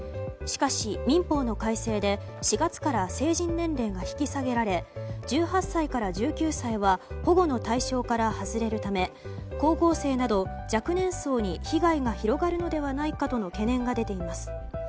しかし、民法の改正で４月から成人年齢が引き下げられ１８歳から１９歳は保護の対象から外れるため高校生など若年層に被害が広がるのではないかとの懸念が出ています。